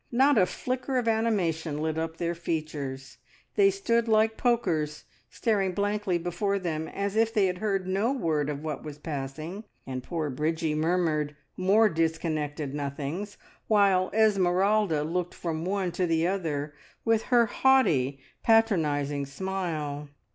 Not a flicker of animation lit up their features; they stood like pokers staring blankly before them, as if they had heard no word of what was passing, and poor Bridgie murmured more disconnected nothings, while Esmeralda looked from one to the other with her haughty, patronising smile.